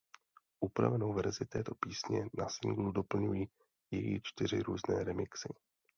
Upravenou verzi této písně na singlu doplňují její čtyři různé remixy.